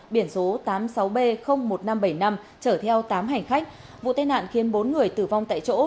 biển số tám mươi sáu b một nghìn năm trăm bảy mươi năm chở theo tám hành khách vụ tai nạn khiến bốn người tử vong tại chỗ